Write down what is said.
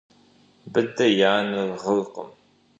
Быдэ и анэ гъыркъым.